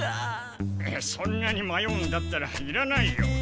そんなにまようんだったらいらないよ。